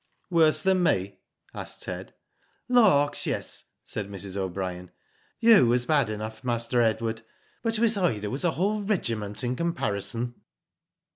'* Worse than me ?'^ asked Ted. *' Lawks, yes," said Mrs. O'Brien. "You was bad enough. Master Edward, but Miss Ida was a whole regiment in comparison."